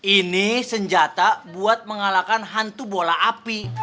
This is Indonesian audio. ini senjata buat mengalahkan hantu bola api